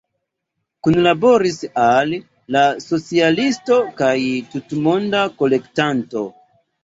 Kunlaboris al „La Socialisto“ kaj „Tutmonda Kolektanto“.